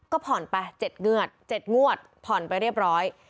ก็ผ่อนไป๗งวด๗งวดผ่อนไปเรียบร้อย